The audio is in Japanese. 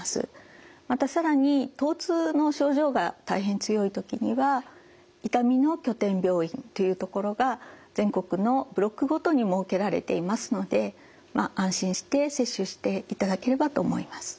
また更に疼痛の症状が大変強い時には痛みの拠点病院という所が全国のブロックごとに設けられていますので安心して接種していただければと思います。